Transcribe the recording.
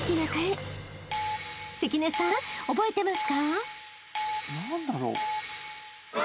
［関根さん覚えてますか？］何だろう？